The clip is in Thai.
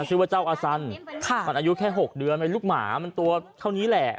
ชื่อว่าเจ้าอาสันมันอายุแค่๖เดือนเป็นลูกหมามันตัวเท่านี้แหละ